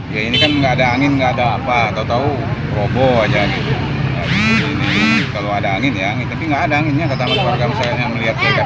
yang lainnya tangan mata sakit juga